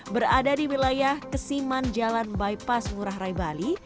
berada di wilayah kesiman jalan bypass ngurah rai bali